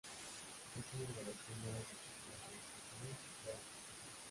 Fue uno de los primeros discípulos de Sigmund Freud.